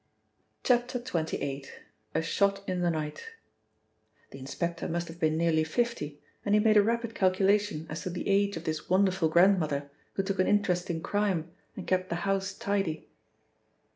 XXVIII. — A SHOT IN THE NIGHT THE inspector must have been nearly fifty, and he made a rapid calculation as to the age of this wonderful grandmother who took an interest in crime, and kept the house tidy.